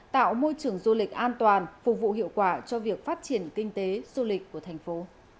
tạo môi trường du lịch an toàn phục vụ hiệu quả cho việc phát triển kinh tế du lịch của thành phố